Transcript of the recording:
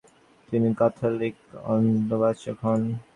তিনি ক্যাথলিক অঙ্কবাচক হন।